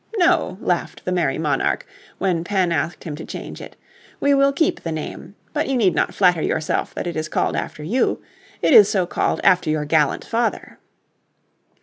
"No," laughed the merry monarch, when Penn asked him to change it, "we will keep the name, but you need not flatter yourself that it is called after you. It is so called after your gallant father."